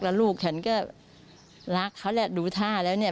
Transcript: แล้วลูกฉันก็รักเขาแหละดูท่าแล้วเนี่ย